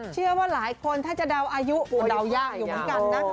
เชื่อว่าหลายคนถ้าจะเดาอายุเดายากอยู่เหมือนกันนะ